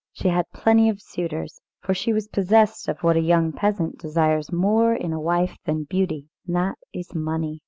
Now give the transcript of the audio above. She had plenty of suitors, for she was possessed of what a young peasant desires more in a wife than beauty, and that is money.